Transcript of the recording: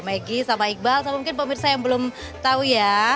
maggie sama iqbal sama mungkin pemirsa yang belum tahu ya